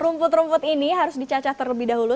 rumput rumput ini harus dicacah terlebih dahulu